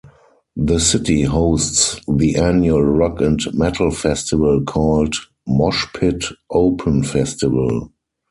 The city hosts the annual rock- and metalfestival called Moshpit Open Festival.